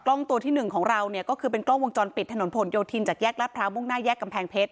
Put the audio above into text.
กล้องตัวที่๑ของเราก็เป็นกล้องวงจรปิดถนนพรโยธินจากแยกลาบพร้าวมุ่งหน้าแยกกำแพงเพชร